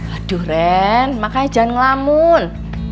aduh ren makanya jangan ngelamun